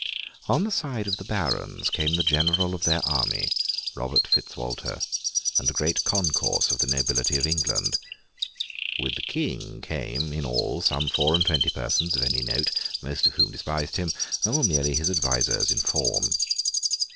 On the side of the Barons, came the General of their army, Robert Fitz Walter, and a great concourse of the nobility of England. With the King, came, in all, some four and twenty persons of any note, most of whom despised him, and were merely his advisers in form.